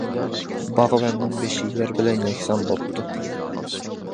باغۋەننىڭ بېشى يەر بىلەن يەكسان بوپتۇ.